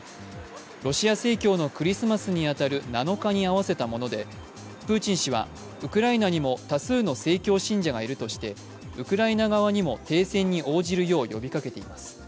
ロシア正教のクリスマスに当たる７日に合わせたものでプーチン氏はウクライナにも多数の正教信者がいるとしてウクライナ側にも停戦に応じるよう呼びかけています。